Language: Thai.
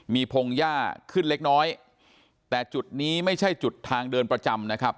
มีพงหญ้าขึ้นเล็กน้อยแต่จุดนี้ไม่ใช่จุดทางเดินประจำนะครับ